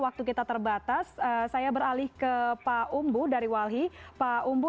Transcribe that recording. ada baterai teralummy